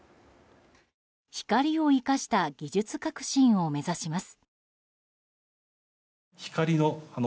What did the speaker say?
光を生かした技術革新を目指します。